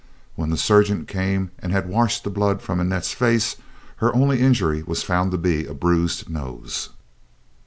When the surgeon came and had washed the blood from Annette's face, her only injury was found to be a bruised nose.